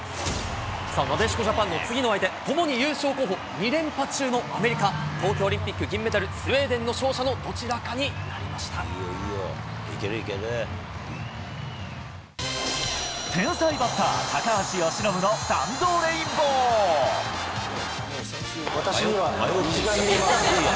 さあ、なでしこジャパンの次の相手、ともに優勝候補、２連覇中のアメリカ、東京オリンピック銀メダル、スウェーデンの勝者のどちらかにいいよ、いいよ、いける、天才バッター、私には虹が見えます。